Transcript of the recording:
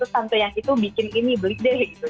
tante yang itu bikin ini beli deh gitu